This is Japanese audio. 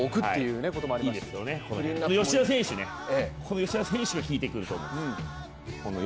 吉田選手、この吉田選手が効いてくると思うんですよ。